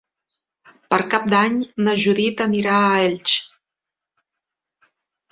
Per Cap d'Any na Judit anirà a Elx.